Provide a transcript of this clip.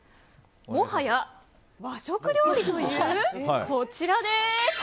もはや和食料理というこちら。